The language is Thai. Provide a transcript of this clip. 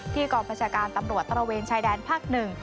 ที่กรมพจการตำรวจตะละเวนชายแดนภาคหนึ่ง